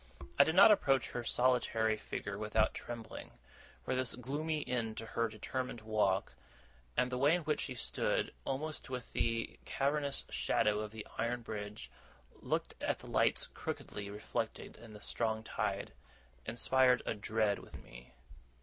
I did not approach her solitary figure without trembling; for this gloomy end to her determined walk, and the way in which she stood, almost within the cavernous shadow of the iron bridge, looking at the lights crookedly reflected in the strong tide, inspired a dread within me.